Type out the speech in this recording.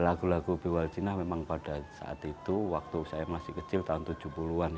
lagu lagu b waljina memang pada saat itu waktu saya masih kecil tahun tujuh puluh an